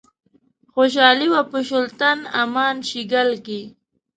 خوشحالي وه په شُلتن، امان شیګل کښي